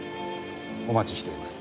お待ちしております。